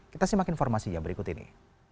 kita simak informasi yang berikut ini